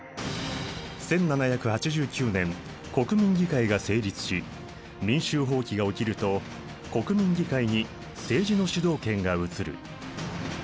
１７８９年国民議会が成立し民衆蜂起が起きると国民議会に政治の主導権が移る。